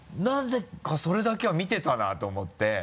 なぜかそれだけは見てたなと思って。